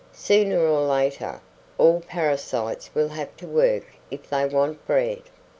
"Sooner or later, all parasites will have to work if they want bread.